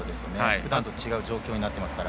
ふだんと違う状況になっていますから。